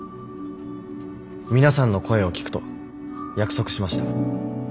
皆さんの声を聞くと約束しました。